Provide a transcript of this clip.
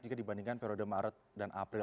jika dibandingkan periode maret dan april